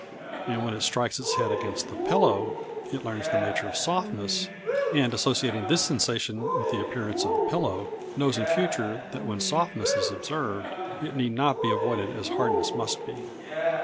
And when it strikes its head against the pillow, it learns the nature of softness, and associating this sensation with the appearance of the pillow, knows in future that when softness is observed it need not be avoided as hardness must be.